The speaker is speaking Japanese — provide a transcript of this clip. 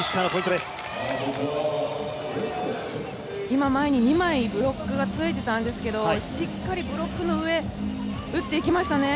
今、前に二枚ブロックがついていたんですけどしっかりブロックの上打っていきましたね。